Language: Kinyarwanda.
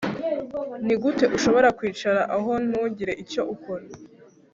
Nigute ushobora kwicara aho ntugire icyo ukora